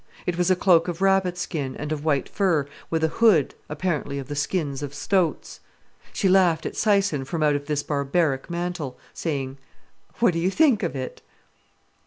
It was a cloak of rabbit skin and of white fur, with a hood, apparently of the skins of stoats. She laughed at Syson from out of this barbaric mantle, saying: "What do you think of it?"